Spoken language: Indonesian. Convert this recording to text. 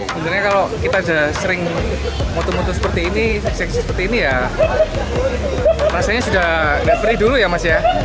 sebenarnya kalau kita sudah sering moto mutu seperti ini seksi seperti ini ya rasanya sudah tidak perih dulu ya mas ya